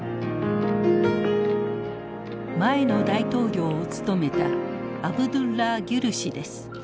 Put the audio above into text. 前の大統領を務めたアブドゥッラー・ギュル氏です。